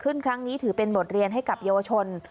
ครั้งนี้ถือเป็นบทเรียนให้กับเยาวชน